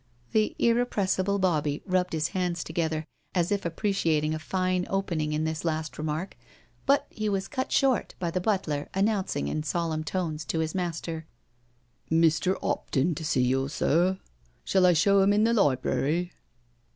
The irrepressible Bobbie rubbed his hands together as if appreciating a fine opening in this last remark, but he was cut short by the butler announcing in solenm tones to his master: " Mr. 'Opton to see you^ sir. ••• Shall I show 'im in the library?"